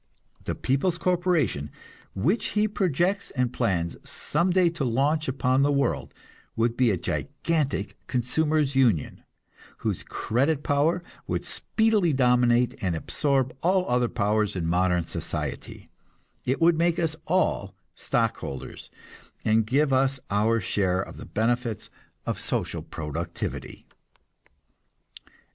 The "People's Corporation" which he projects and plans some day to launch upon the world would be a gigantic "consumers' union," whose "credit power" would speedily dominate and absorb all other powers in modern society; it would make us all stockholders, and give us our share of the benefits of social productivity.